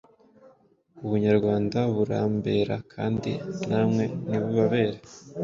Ubunyarwanda burambera Kandi namwe nibubabere,